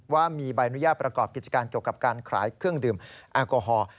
ว่ามีใบอนุญาตประกอบกิจการเกี่ยวกับการขายเครื่องดื่มแอลกอฮอล์